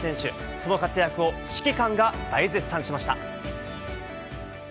その活躍を指揮官が大絶賛しました。